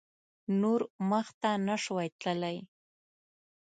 نور مخته نه شوای تللای.